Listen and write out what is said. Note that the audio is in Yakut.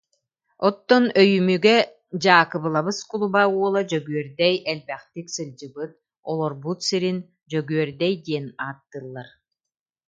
Оттон Өйүмүгэ Дьаакыбылабыс кулуба уола Дьөгүөрдэй элбэхтик сылдьыбыт, олорбут сирин Дьөгүөрдэй диэн ааттыыллар